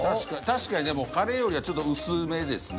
確かにでもカレーよりはちょっと薄めですね。